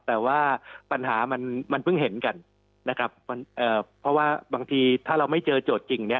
แต่ว่าปัญหามันมันเพิ่งเห็นกันนะครับเพราะว่าบางทีถ้าเราไม่เจอโจทย์จริงเนี่ย